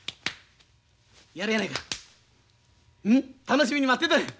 楽しみに待ってたんや。